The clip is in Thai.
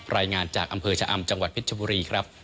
รายงานจากอำเภอชะอำจังหวัดเพชรชบุรีครับ